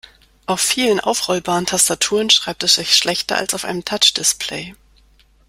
Auf vielen aufrollbaren Tastaturen schreibt es sich schlechter als auf einem Touchdisplay.